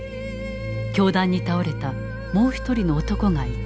凶弾に倒れたもう１人の男がいた。